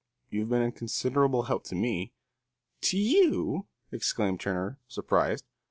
You have been a considerable help to me." "To you!" exclaimed Turner, surprised.